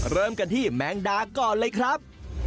เริ่มกันที่แมงดาก่อนเลยครับ